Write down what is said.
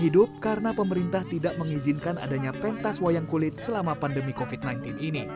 dan adanya pentas wayang kulit selama pandemi covid sembilan belas ini